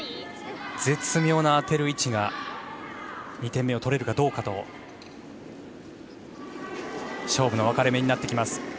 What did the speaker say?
絶妙な当てる位置が２点目を取れるかどうかと勝負の分かれ目になってきます。